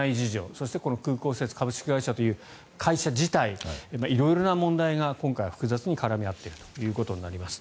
そして空港施設株式会社という会社自体色々な問題が今回、複雑に絡み合っているということになります。